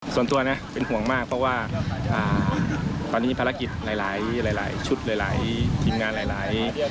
ส่วนตัวนะเป็นห่วงมากเพราะว่าตอนนี้ภารกิจหลายชุดหลายทีมงานหลาย